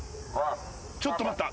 ちょっと待った。